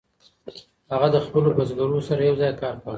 هغه د خپلو بزګرو سره یوځای کار کاوه.